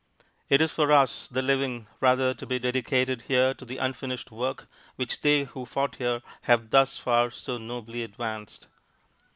It is for us, the living, rather to be dedicated here to the unfinished work which they who fought here have thus far so nobly advanced.